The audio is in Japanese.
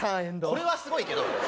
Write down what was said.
これはすごいけど。